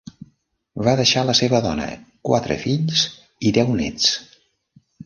Va deixar la seva dona, quatre fills i deu néts.